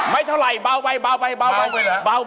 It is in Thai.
ไม่เท่าไรเบาไปเบาไปเหรอ